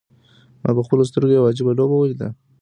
ما په خپلو سترګو یوه عجیبه لوبه ولیده.